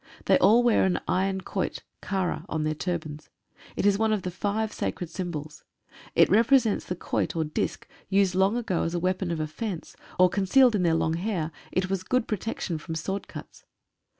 They all wear an iron quoit (kara) on their turbans. It is one of the five sacred symbols. It represents the quoit, or disc, used long ago as a weapon of offence, or concealed in their long hair it was a good protection from sword cuts.